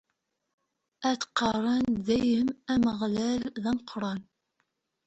Ad qqaren dayem: Ameɣlal, d ameqqran!